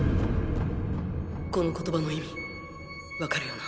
この言葉の意味わかるよな？